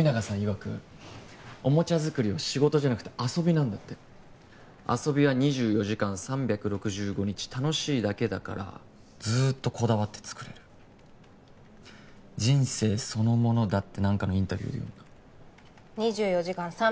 いわくおもちゃ作りは仕事じゃなくて遊びなんだって遊びは２４時間３６５日楽しいだけだからずっとこだわって作れる人生そのものだって何かのインタビューで読んだ２４時間３６５日